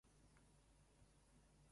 Pygidium opaque and moderately punctured.